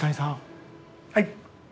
はい。